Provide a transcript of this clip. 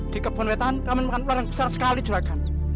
di kebun wetan kami melakukan ular yang besar sekali jerakan